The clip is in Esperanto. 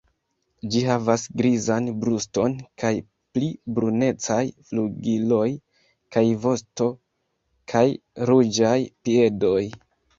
Ĝi havas grizan bruston kun pli brunecaj flugiloj kaj vosto kaj ruĝaj piedoj.